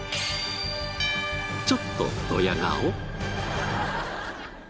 ちょっとドヤ顔？